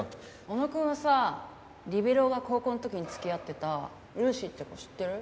小野くんはさリベロウが高校の時に付き合ってたルーシーって子知ってる？